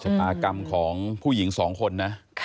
จัดปากกรรมของผู้หญิงสองคนน่ะ